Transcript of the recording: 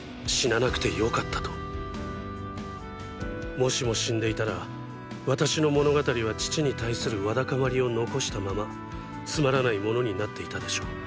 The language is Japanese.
もしも死んでいたら私の物語は父に対するわだかまりを残したままつまらないものになっていたでしょう。